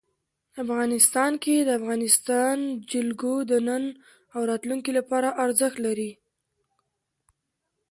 افغانستان کې د افغانستان جلکو د نن او راتلونکي لپاره ارزښت لري.